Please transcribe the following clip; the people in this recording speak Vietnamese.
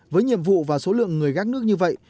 với nhiệm vụ và số lượng người gác nước như vậy